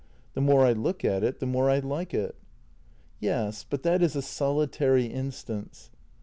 The more I look at it, the more I like it." " Yes, but that is a solitary instance."